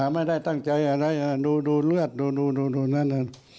ไม่ได้ตั้งใจอะไรดูเลือดดูนั่น